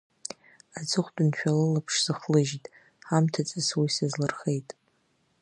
Аҵыхәтәаншәа лылаԥш сыхлыжьит, ҳамҭаҵас уи сызлырхеит!